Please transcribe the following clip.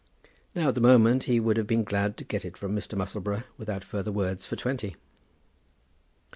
Now, at the moment, he would have been glad to get it from Mr. Musselboro, without further words, for twenty.